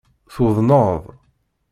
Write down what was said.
Tuḍneḍ.